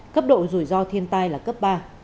cấp độ rủi ro thiên tai là cấp ba